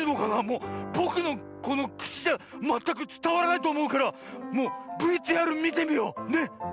もうぼくのこのくちじゃまったくつたわらないとおもうからもうＶＴＲみてみよう。ね？